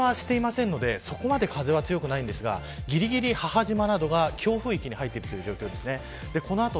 直撃はしていませんのでそこまで風は強くないんですが、ぎりぎり母島などが強風域に入っているという状況です。